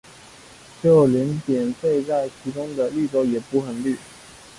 就连点缀在其中的绿洲也不很绿。